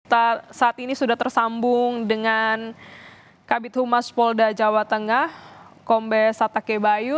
kita saat ini sudah tersambung dengan kabit humas polda jawa tengah kombes satake bayu